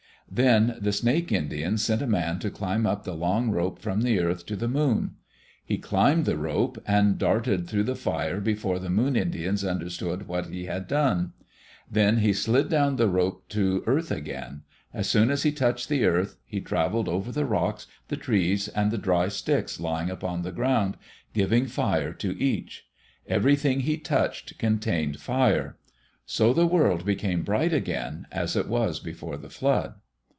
Then the Snake Indians sent a man to climb up the long rope from the earth to the moon. He climbed the rope, and darted through the fire before the Moon Indians understood what he had done. Then he slid down the rope to earth again. As soon as he touched the earth he travelled over the rocks, the trees, and the dry sticks lying upon the ground, giving fire to each. Everything he touched contained fire. So the world became bright again, as it was before the flood.